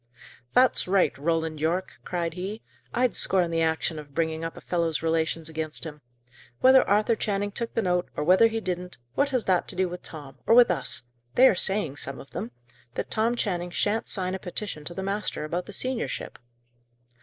"That's right, Roland Yorke!" cried he. "I'd scorn the action of bringing up a fellow's relations against him. Whether Arthur Channing took the note, or whether he didn't, what has that to do with Tom? or with us? They are saying, some of them, that Tom Channing shan't sign a petition to the master about the seniorship!"